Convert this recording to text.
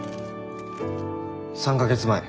３か月前